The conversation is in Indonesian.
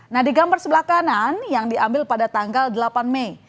nah di gambar sebelah kanan yang diambil pada tanggal delapan mei